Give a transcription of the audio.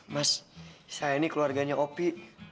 mas saya ini keluarganya opi